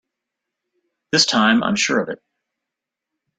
This time I'm sure of it!